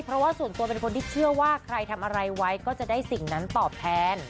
เพราะว่าส่วนตัวเป็นคนที่เชื่อว่าใครทำอะไรไว้ก็จะได้สิ่งนั้นตอบแทน